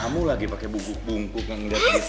namu lagi pakai bubuk bungkuk yang gak kaya itu kan